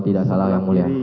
tidak salah yang mulia